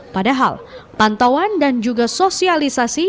padahal pantauan dan juga sosialisasi